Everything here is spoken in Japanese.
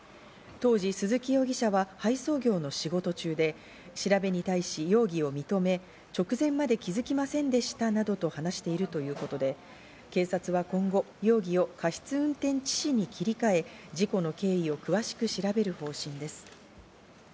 当時、鈴木容疑者は配送業の仕事中で、調べに対し、容疑を認め、直前まで気づきませんでしたなどと話しているということで警察は今後、容疑を過失運転致死に切り替え、事故の経緯を詳しく調べる方針です。